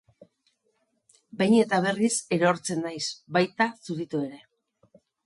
Behin eta berriz erortzen naiz, baita zutitu ere.